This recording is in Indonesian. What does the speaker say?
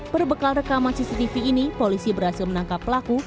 berbekal rekaman cctv ini polisi berhasil menangkap pelaku